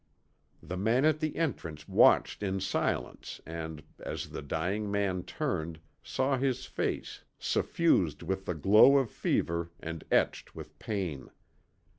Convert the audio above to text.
The man at the entrance watched in silence and, as the dying man turned, saw his face, suffused with the glow of fever and etched with pain.